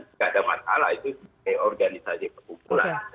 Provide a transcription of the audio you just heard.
tidak ada masalah itu organisasi perkumpulan